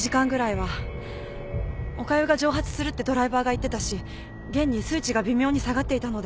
おかゆが蒸発するってドライバーが言ってたし現に数値が微妙に下がっていたので。